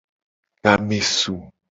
Game su.